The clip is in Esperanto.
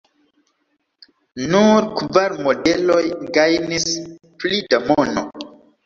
Nur kvar modeloj gajnis pli da mono.